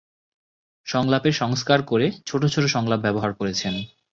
সংলাপের সংস্কার করে ছোট ছোট সংলাপ ব্যবহার করেছেন।